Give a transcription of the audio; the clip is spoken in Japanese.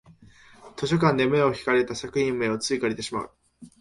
図書館で目を引かれた作品名をつい借りてしまう